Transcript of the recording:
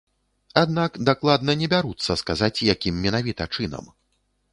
Аднак дакладна не бяруцца сказаць, якім менавіта чынам.